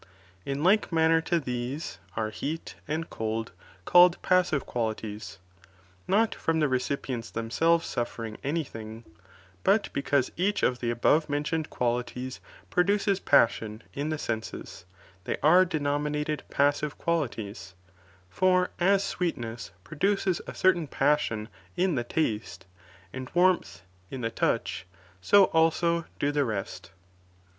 In like manner lo these arc lieal anil cold called passive quahties, not from the recipients themselves suffering any thing, but because each of the above mentioned quaUties produces passion in the senses, they are denominated passive qualities ; for as sweetness, produces a certain passion in the teste, and warmth, in the touch, so also do the rest.